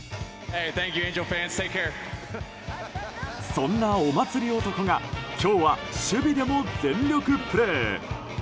そんな、お祭り男が今日は守備でも全力プレー。